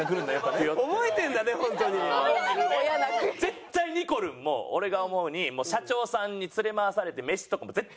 絶対にこるんも俺が思うに社長さんに連れ回されて飯とかも絶対行ってる。